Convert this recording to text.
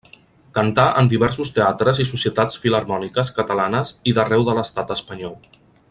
Cantà en diversos teatres i societats filharmòniques catalanes i d'arreu de l'Estat espanyol.